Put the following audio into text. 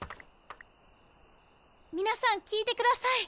みなさんきいてください。